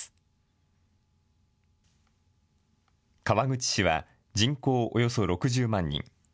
川口市は人口およそ６０万人。